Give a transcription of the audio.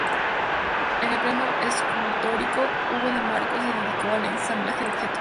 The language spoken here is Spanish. En el plano escultórico, Hugo Demarco, se dedicó al ensamblaje de objetos.